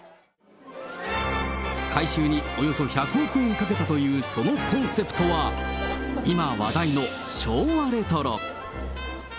改修におよそ１００億円をかけたというそのコンセプトは、今話題の昭和レトロ。